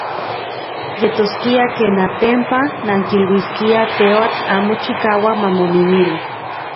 Yetoskia ken, atenpa, nankiluiskiaj teoatl amo chikauak mamomimilo.